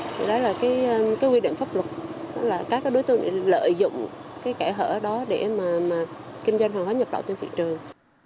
thì đó là cái quy định pháp luật là các đối tượng lợi dụng cái kẻ hở đó để mà kinh doanh hàng hoa nhập đạo trên thị trường